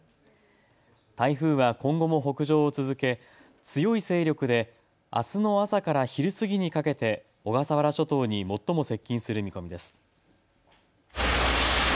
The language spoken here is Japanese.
台風は今後も北上を続け強い勢力であすの朝から昼過ぎにかけて小笠原諸島に最も接近する見込みです。